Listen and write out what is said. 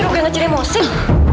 udah gak kecilin mau wasing